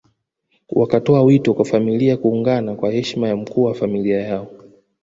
Wakatoa wito kwa familia kuungana kwa heshima ya mkuu wa familia yao